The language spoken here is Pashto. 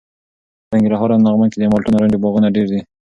په ننګرهار او لغمان کې د مالټو او نارنجو باغونه ډېر دي.